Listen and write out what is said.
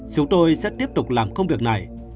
chúng tôi sẽ tiếp tục làm công việc này